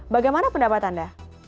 bagaimana pendapat anda